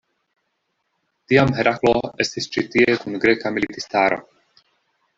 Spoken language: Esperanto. Tiam Heraklo estis ĉi tie kun greka militistaro.